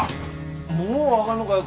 もう分がんのかよ